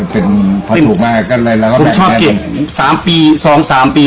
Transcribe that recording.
ผมชอบเก็บ๓ปี๒๓ปี